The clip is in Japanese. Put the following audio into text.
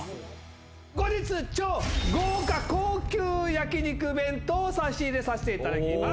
後日超豪華高級焼き肉弁当を差し入れさせていただきます。